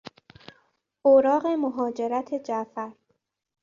اوراق مهاجرت جعفر